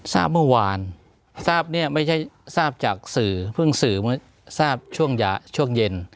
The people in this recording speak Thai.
ทราบเมื่อวานทราบเนี่ยไม่ใช่ทราบจากสื่อเพิ่งสื่อเมื่อทราบช่วงเย็น